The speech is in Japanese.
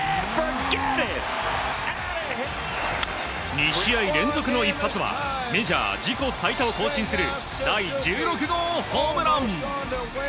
２試合連続の一発はメジャー自己最多を更新する第１６号ホームラン！